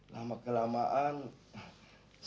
lama kelamaan saya teh jadi malu juga